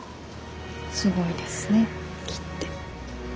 すごいですね木って。